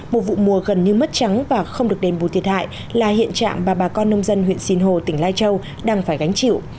một vụ mùa gần như mất trắng và không được đền bù thiệt hại là hiện trạng bà con nông dân huyện sinh hồ tỉnh lai châu đang phải gánh chịu